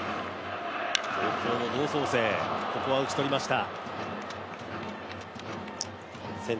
高校の同窓生、ここは打ち取りました。